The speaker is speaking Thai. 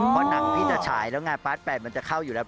เพราะหนังพี่จะฉายแล้วไงปาร์ด๘มันจะเข้าอยู่แล้ว